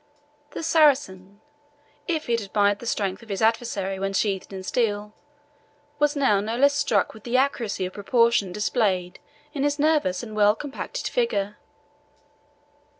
The Saracen, if he had admired the strength of his adversary when sheathed in steel, was now no less struck with the accuracy of proportion displayed in his nervous and well compacted figure.